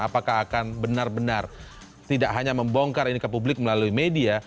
apakah akan benar benar tidak hanya membongkar ini ke publik melalui media